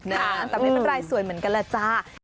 แต่ไม่เป็นไรสวยเหมือนกันแหละจ้า